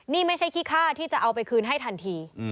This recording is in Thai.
นี่ไม่ใช่ขี้ค่าที่จะเอาไปคืนให้ทันที